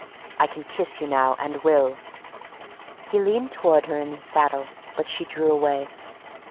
I can kiss you now and will. ..." He leaned toward her in his saddle, but she drew away.